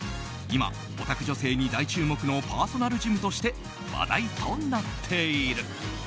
今、オタク女性に大注目のパーソナルジムとして話題となっている。